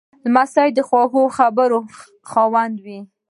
لمسی د خوږو خبرو خاوند وي.